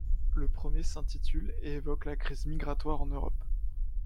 Le premier s'intitule et évoque la crise migratoire en Europe.